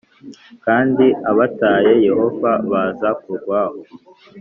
kandi abataye Yehova bazakurwaho